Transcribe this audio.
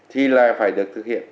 thì là phải được thực hiện